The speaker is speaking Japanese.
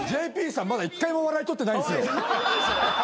ＪＰさんまだ一回も笑い取ってないんすよ。